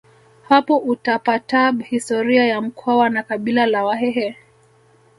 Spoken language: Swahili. hapo utapatab historia ya mkwawa na kabila la wahehe